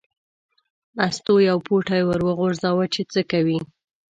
مستو یو پوټی ور وغورځاوه چې څه کوي.